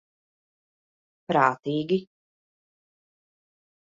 Prātīgi.